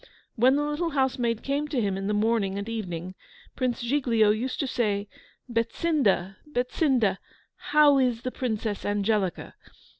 When the little housemaid came to him in the morning and evening, Prince Giglio used to say, "Betsinda, Betsinda, how is the Princess Angelica?"